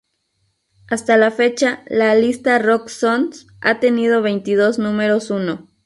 Hasta la fecha, la lista Rock Songs ha tenido veintidós números uno.